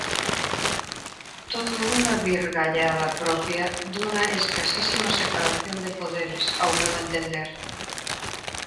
Todo unha virgallada propia dunha escasísima separación de poderes, ao meu entender.